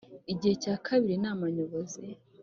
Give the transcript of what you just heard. igice cya kabiri inama nyobozi